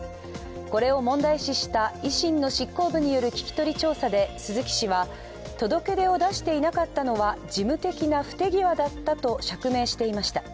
これを問題視した維新の執行部による聞き取り調査で、鈴木氏は届け出を出していなかったのは事務的な不手際だったと釈明していました。